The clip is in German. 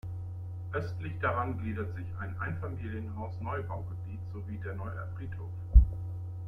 Östlich daran gliedert sich ein Einfamilienhaus-Neubaugebiet sowie der neue Friedhof.